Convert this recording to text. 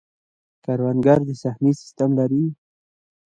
کروندګر د سهمیې سیستم لري.